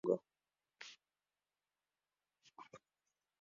Mbuzi na kondoo hupata ugonjwa kwa kungatwa na mbungo